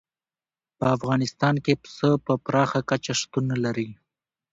په افغانستان کې پسه په پراخه کچه شتون لري.